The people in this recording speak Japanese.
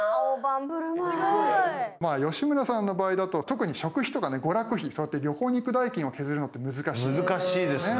まあ吉村さんの場合だと特に食費とかね娯楽費そうやって旅行に行く代金を削るのって難しいですよね。